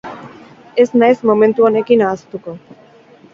Ez naiz momentu honekin ahaztuko.